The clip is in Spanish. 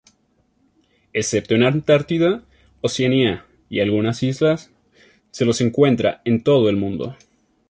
Excepto en Antártida, Oceanía y algunas islas, se los encuentra en todo el mundo.